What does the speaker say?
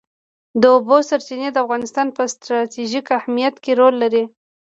د اوبو سرچینې د افغانستان په ستراتیژیک اهمیت کې رول لري.